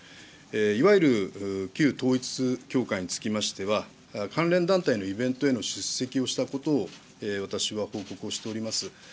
いわゆる旧統一教会につきましては、関連団体のイベントへの出席をしたことを私は報告をしております。